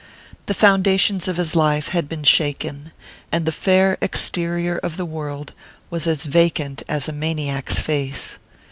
The foundations of his life had been shaken, and the fair exterior of the world was as vacant as a maniac's face.